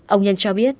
ông nhân cho biết